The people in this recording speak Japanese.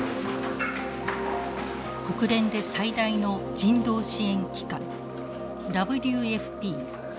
国連で最大の人道支援機関ＷＦＰ世界食糧計画。